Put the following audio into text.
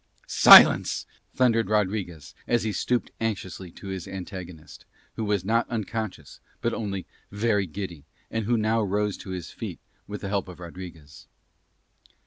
"Silence," thundered Rodriguez as he stooped anxiously to his antagonist, who was not unconscious but only very giddy and who now rose to his feet with the help of Rodriguez.